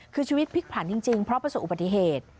คือชีวิตพลิกผลันจริงเพราะประสบอุบัติเหตุ